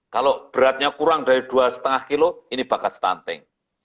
kalau beratnya kurang dari dua lima kilo ini bakat stunting